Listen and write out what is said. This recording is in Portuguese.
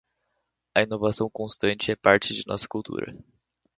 A inovação constante é parte de nossa cultura.